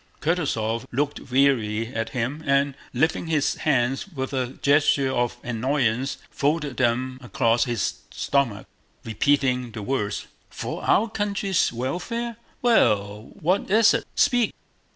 Kutúzov looked wearily at him and, lifting his hands with a gesture of annoyance, folded them across his stomach, repeating the words: "For our country's welfare? Well, what is it? Speak!"